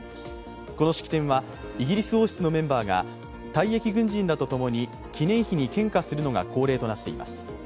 この式典はイギリス王室のメンバーが退役軍人らとともに記念碑に献花するのが恒例となっています。